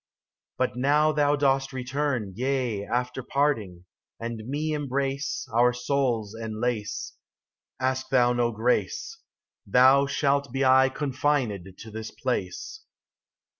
37 But now thou dost return, yea, after parting, And me embrace, Our souls enlace ; Ask thou no grace ; Thou shalt be aye confined to this place.